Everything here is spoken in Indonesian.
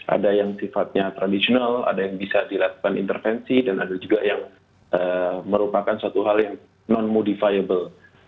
ada yang sifatnya tradisional ada yang bisa dilakukan intervensi dan ada juga yang merupakan suatu hal yang non modifiable